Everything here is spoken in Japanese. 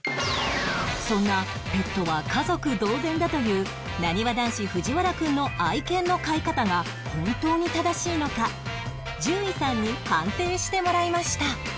そんなペットは家族同然だというなにわ男子藤原くんの愛犬の飼い方が本当に正しいのか獣医さんに判定してもらいました